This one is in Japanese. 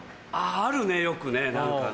あるねよくね何かね。